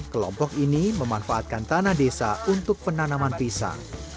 kelompok ini memanfaatkan tanah desa untuk penanaman pisang